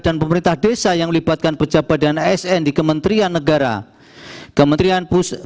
dan pemerintah desa yang melibatkan pejabat dan asn di kementerian negara kementerian